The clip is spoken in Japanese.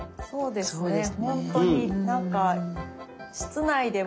そうですね。